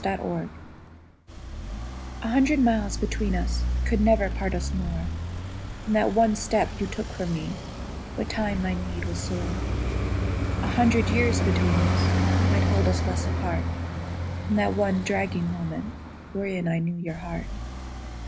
DISTANCE A hundred miles between us Could never part us more Than that one step you took from me What time my need was sore. A hundred years between us Might hold us less apart Than that one dragging moment Wherein I knew your heart.